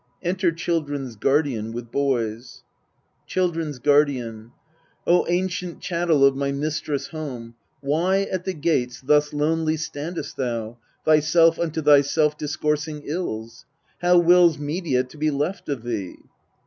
Enter CHILDREN'S GUARDIAN, with boys Children s Guardian. O ancient chattel of my mistress' home, Why at the gates thus lonely standest thou, Thyself unto thyself discoursing ills ? How wills Medea to be left of thee?